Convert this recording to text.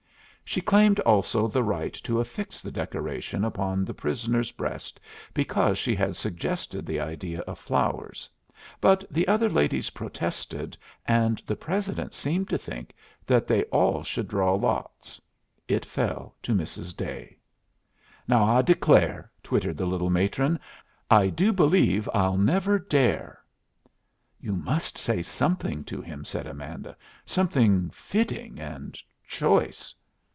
She claimed also the right to affix the decoration upon the prisoner's breast because she had suggested the idea of flowers; but the other ladies protested, and the president seemed to think that they all should draw lots. It fell to Mrs. Day. "Now I declare!" twittered the little matron. "I do believe I'll never dare." "You must say something to him," said Amanda; "something fitting and choice."